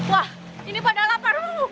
wah ini pada lapar